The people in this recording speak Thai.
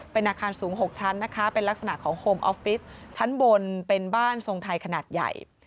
เป็นอาคารสูง๖ชั้นนะคะเป็นลักษณะของโฮมออฟฟิศชั้นบนเป็นบ้านทรงไทยขนาดใหญ่